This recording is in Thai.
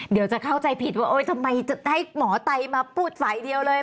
เดี๋ยวจะเข้าใจผิดว่าทำไมจะให้หมอไตมาพูดฝ่ายเดียวเลย